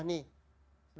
oh ini salah nih